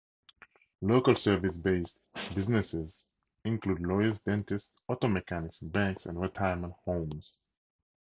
Local service-based businesses include lawyers, dentists, auto mechanics, banks, and retirement homes.